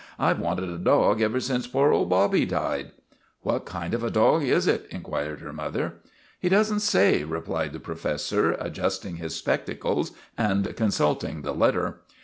I 've wanted a dog ever since poor old Bobby died." " What kind of a dog is it? " inquired her mother. ' He does n't say," replied the professor, adjust ing his spectacles and consulting the letter.